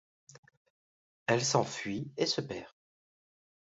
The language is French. Elle s'enfuit et se perd.